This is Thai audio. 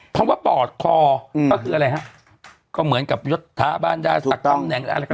เพราะว่าปอกคอก็คืออะไรฮะก็เหมือนกับยศทะบ้านด้านสตรักต้นแหล่งอะไรขนาดแปด